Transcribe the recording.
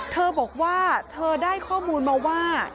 เธอบอกว่าเธอได้ข้อมูลมาว่า